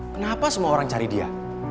kenapa semua orang cari dia